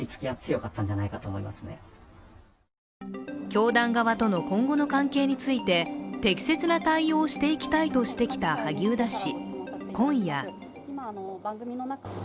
教団側との今後の関係について適切な対応をしていきたいとしてきた萩生田氏